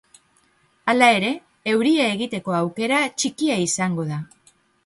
Hala ere, euria egiteko aukera txikia izango da.